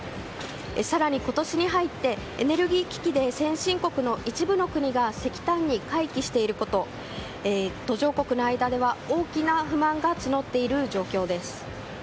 更に、今年に入ってエネルギー危機で先進国の一部の国が石炭に回帰していること途上国の間では大きな不満が募っている状況です。